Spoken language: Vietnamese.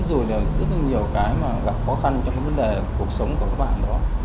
rồi là rất là nhiều cái mà gặp khó khăn trong cái vấn đề cuộc sống của các bạn đó